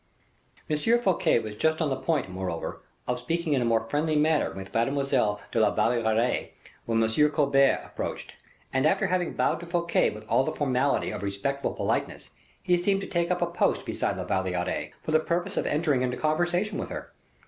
M. Fouquet was just on the point, moreover, of speaking in a more friendly manner with Mademoiselle de la Valliere, when M. Colbert approached, and after having bowed to Fouquet with all the formality of respectful politeness, he seemed to take up a post beside La Valliere, for the purpose of entering into conversation with her.